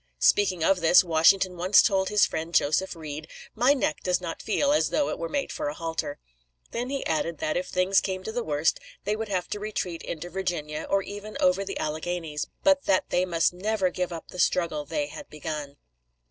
Speaking of this, Washington once told his friend Joseph Reed: "My neck does not feel as though it were made for a halter." Then he added that if things came to the worst they would have to retreat into Virginia, or even over the Alleghanies, but that they must never give up the struggle they had begun.